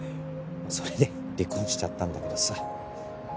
それで離婚しちゃったんだけどさ。